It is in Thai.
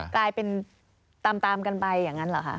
กลายเป็นตามกันไปอย่างนั้นเหรอคะ